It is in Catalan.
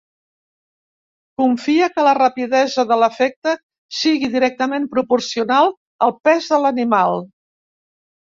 Confia que la rapidesa de l'efecte sigui directament proporcional al pes de l'animal.